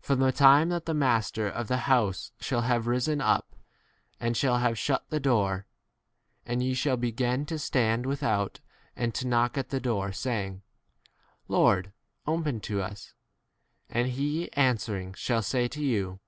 From the time that the master of the house shall have risen up and shall have shut the door, and ye shall begin to stand without and to knock at the door, saying, Lord,? open to us ; and he answering shall say to you.